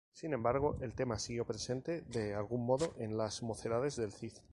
Sin embargo, el tema siguió presente de algún modo en "Las mocedades del Cid.